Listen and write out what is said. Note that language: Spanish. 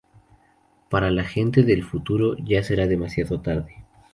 Para la gente del futuro ya será demasiado tarde.